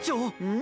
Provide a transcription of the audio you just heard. ん？